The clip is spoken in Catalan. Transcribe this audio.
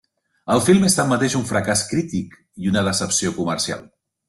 El film és tanmateix un fracàs crític i una decepció comercial.